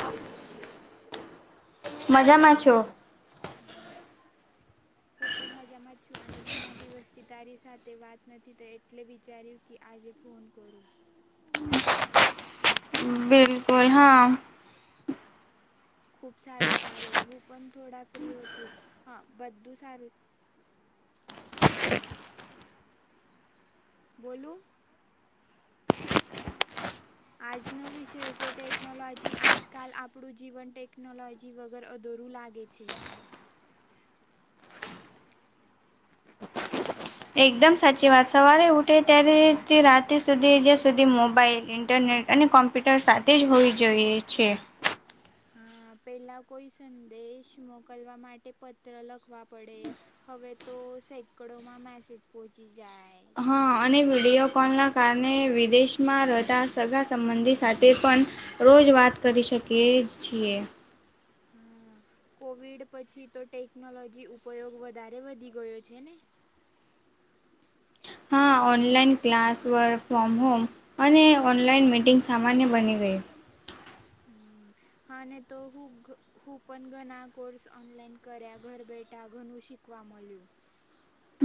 કેમ છો તમે. મજામાં છો. હમ્મ. હું પણ મજામાં છું અને ઘણા દિવસથી તારી સાથે વાત નથી થઈ એટલે વિચાર્યું. કે આજે ફોન કરું. હમ્મ બિલ કોલ હા. ખૂબ સારું કાર્ય હું પણ થોડા ફ્રી હોતું હા, બધું સારું. બોલુ? આજનો વિષય છે ટેકનોલોજી આજકાલ આપણું જીવન ટેકનોલો જી વગર અધૂરું લાગે છે. એકદમ સાચી વાત સવારે ઉઠે ત્યારે તે રાતે સુધી જ્યાં સુધી મોબાઈલ, ઇન્ટરનેટ અને કોમ્પ ટર સાથે જ હોવી જોઈએ છે. હા, પેલ્લા કોઈ સંદેશ મોકલવા માટે પત્ર લખવા પડે. હવે તો સેકડોમાં મેસેજ પહોચી જાય છે. અને વિડિયો કોલના કારણે વિદેશમાં રહતા સગા સંબંધિત સાથે પણ રોજ વાત કરી શકીએ છીએ. હમ કોવિડ પછી તો ટેકનોલોજી ઉપયોગ વધારે વધી ગયો છે ને. હા ઓનલાઈન ક્લાસ વ ફ્રોમ હોમ. અને ઓનલાઈન મિટિંગ સામાન્ય બની ગઈ હમ્મ. હા તો હું હું પણ ઘણા કોર્સ ઓનલાઈન કર્યા ઘર બેઠા ઘણું શી ક્વા મલ્યું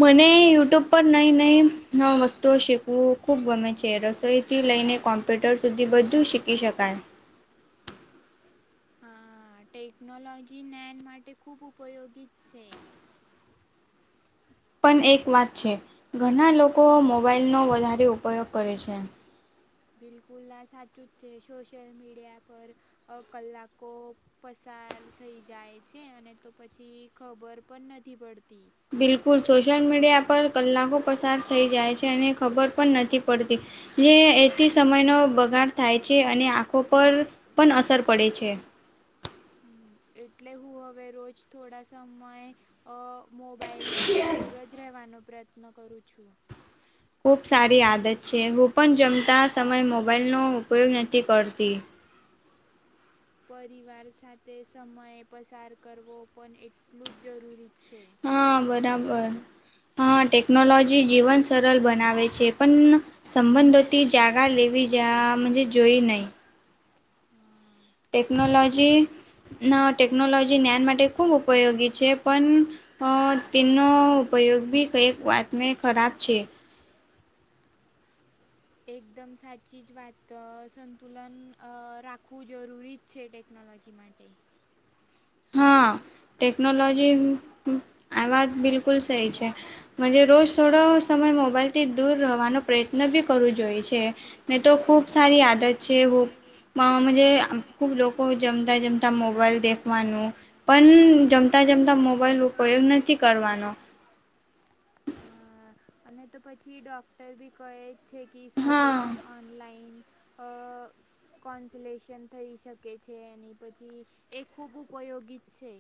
મને યુટ્યુબ પર નઈ નઈ વસ્તુઓ શીખવું ખૂબ ગમે છે રસોઈ રસોઈથી લઈને કોમ્પ્યુટર સુધી બધું શીખી શકાય. હા ટેકનોલોજી જ્ઞાન માટે ખૂબ ઉપયોગી જ છે. પણ એક વાત છે ઘણા લોકો મોબાઈલનો વધારે ઉપયોગ કરે છે. બિલકુલ ના સાચું જ છે સોશિયલ મીડિયા પર કલાકો પસાર થઈ જાય છે અને તો પછી ખબર પણ નથી પડતી. બિલકુલ સોશિયલ મીડિયા પર કલાકો પસાર થઈ જાય છે અને ખબર પણ નથી પડતી. જે એથી સમયનો બગાડ થાય છે અને આંખો પર પણ અસર પડે છે. હ એટલે હું હવે રોજ થોડા સમય અ મોબાઈલથી દૂર જ રહેવાનો પ્રયત્ન કરું છું. ખૂબ સારી આદત છે હું પણ જમતા સમયે મોબાાઈલનો ઉપયોગ નથી કરતી. પરિવાર સાથે સમયે પસાર કરવો પણ એટલું જ જરૂરી છે. હા બરાબર હા ટેકનોલોજી જીવન સરળ બનાવે છે પણ સંબંધોતી જાગા લેવી જજ જોઈ નહી હા. ટેકનોલોજી ટેકનોલોજી જ્ઞાન માટે ખૂબ ઉપયોગી છે પણ તેનો ઉપયોગી બી કંઈક વાત મેં ખરાબ છે. એકદમ સાચી જ વાત સંતુલન અ રાખવું જરૂરી છે ટેકનોલોજી માટે. હા ટેક્નોલોજી આ વાત બિલકુલ સહી છે. જ રોજ થોડો સમય મોબાઈલથી દૂર રહેવાનો પ્રયત્ન બી કરવું જોઈએ છે ને તો ખૂબ સારી આદત છે હું [unintelligible] જ ખૂબ લોકો જમતા જમતા મોબાઈલ દેખ નું પણ જમતા જમતા મોબાઈલ ઉપયોગ નથી કરવાનો. તનો [unintelligible] હ અને તો પછી ડોક્ટર બી કહે છે. ક સાથે પણ ઓનલાઈન અ કોન્સલેશન થઈ શકે છે એની પછી એ ખૂબ ઉપયોગી છે.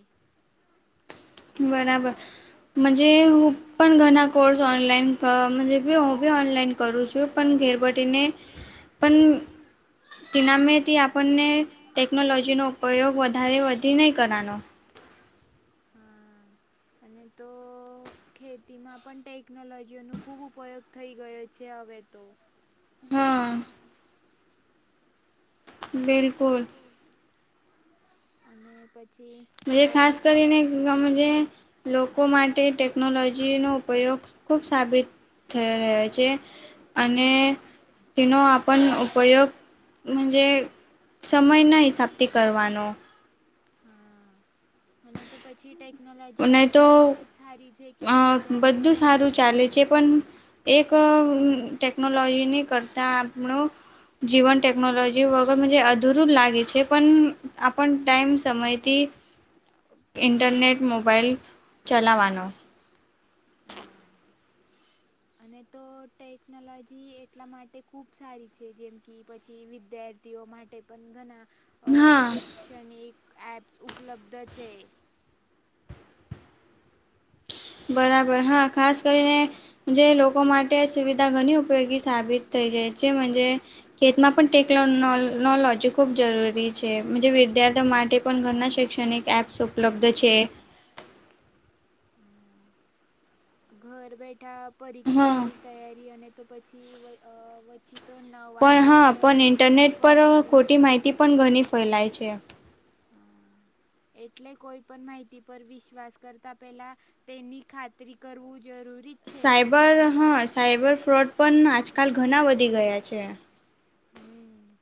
બરાબર. મજ હું પણ ઘણા કોર્સ ઓનલાઈન કજ હું બી ઓનલાઈન કરું છુ. જો પણ ઘેરવટીને પન તિ નામેથી આપણને ટેકનોલોજીનો ઉપયોગ વધારે વધી નહીં કરાનો. હા. અને તો ખેતીમાં પણ ટેકનોલોજીઓનો ખૂબ ઉપયોગ થઈ ગયો છે હવે તો. હા. બિલકુલ અને પછી અ સા ગમજ લોકો માટે ટેકનોલોજીનો ઉપયોગ ખૂબ સાબિત થઈ રહ્યો છે અને તનો આપણ ઉપયોગ મજે સમયના હિસાબથી કરવાનો. હા મને તો પછી. ટેકનોલોજી આ તો એટલે જ સારી છે કે વિદ્યાર્થીઓ માટે પણ. પણ એક ટેકનોલોજીની કરતાં આપણું જીવન ટેકનોલોજી વગર મજે અધૂરું જ લાગે છે. પન આપણ ટાઈમ સમયથી ઇન્ટરનેટ મોબાઈલ ચલાવાનો. હા. અને તો ટૈકનોલોજી એટલા માટે ખૂબ સારી છે જેમ કે પછી વિદ્યા વ્યતિઓ માટે પણ ઘણા અ શૈક્ષણિક એપ્સ ઉપલબ્ધ છે. બરાબર હા ખાસ કરીને જે લોકો માટે સુવિધા ઘણી ઉપયોગી સાબિત થઈ જાય છે મનજે ખેતમાં પણ ટેકનોનોલોજી ખૂબ જરૂરી છે મુજે વિદ્યાર્થીઓ માટે પણ ઘરના શૈક્ષણિક એપ્સ ઉપલબ્ધ છે. હા ઘર બેઠા પરીક્ષાની તૈયારી અને તો પછી વઈ અ વચી તો નવા વિષય શીખવા સરળ બની જાય. ફૈલાય છે. હા એટલે કોઈ પણ માહિતી પર વિશ્વાસ કરતા પહેલા તેની ખાતરી કરવું જરૂરી સાઈબર હા સાયબર ફ્રોડ પણ આજકાલ ઘના વધી ગયા છે. હમ્મ.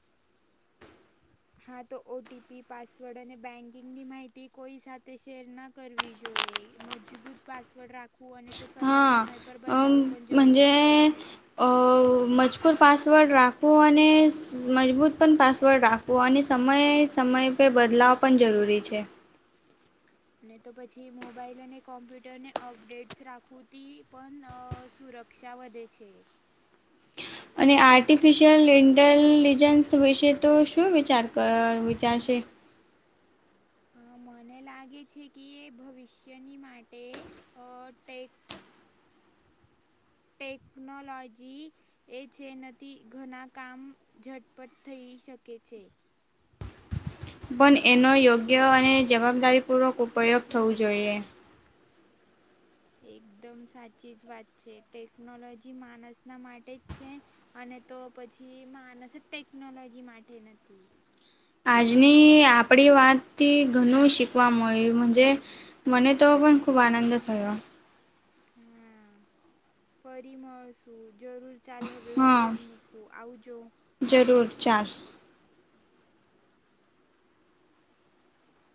હા તો ઓટીપી પાસવર્ડ અને બેન્કિંગની માહિતી કોઈ સાથે શેર ના કરવી જોઈએ મજબૂત પાસવર્ડ રાખ ખવું અને તો સમય સમય પર બદલાવવું પણ જરૂરી જ છે. મજકૂર પાસવર્ડ રાખવું અને મજબૂત પણ પાસવર્ડ રાખવું અને સમયે સમયે પે બદલાવ પણ જરૂરી છે. અને તો પછી મોબાઈલ અને કોમ્પ્યુટરને અપડેટસ રાખવુંથી પણ અ સુરક ક્ષા વધે છે. અને આર્ટિફિશિયલ ઇન્ટેલિજન્સ વિશે તો શું વિચાર કર વિચારશે. અ મને લાગે છે કે એ ભવિષ્યની માટે અ ટૈક ટેકનોલોજી એ છે નથી ઘણા કામ ઝટપટ થઈ શકે છે. પણ એનો યોગ્ય અને જવાબદારીપૂર્વક ઉપયોગ થવું જોઈએ. એકદમ સાચી જ વાત છે ટેકનોલોજી માણસના માટે જ છે. અને તો પછી માણસ ટેકનોલોજી માટે નથી. આજની આપડી વાતથી ઘણું શીખવા મળ્યું મુજે મને તો પણ ખૂબ આનંદ થયો. હમ્મ ફરી મળશુ જરૂર ચાલ હવે હું ફોન મૂકું આવજો જરૂર ચાલ